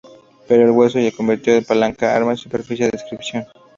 Pero el hueso se convirtió en palanca, arma y superficie de inscripción.